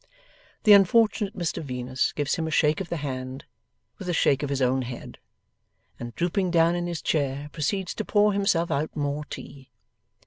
The unfortunate Mr Venus gives him a shake of the hand with a shake of his own head, and drooping down in his chair, proceeds to pour himself out more tea.